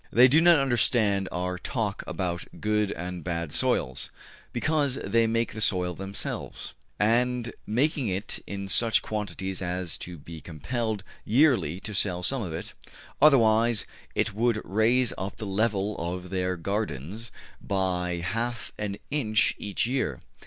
They do not understand our talk about good and bad soils, because they make the soil themselves, and make it in such quantities as to be compelled yearly to sell some of it; otherwise it would raise up the level of their gardens by half an inch every year.